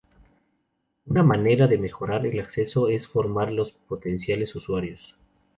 Una manera de mejorar el acceso es formar a los potenciales usuarios.